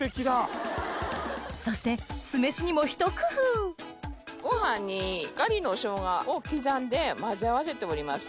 そして酢飯にも一工夫ご飯にガリのしょうがを刻んで混ぜ合わせております。